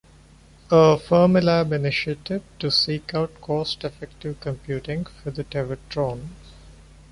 A Fermilab initiative to seek out cost effective computing for the Tevatron.